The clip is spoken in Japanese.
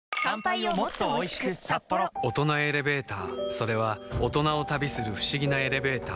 それは大人を旅する不思議なエレベーター